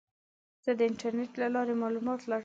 زه د انټرنیټ له لارې معلومات لټوم.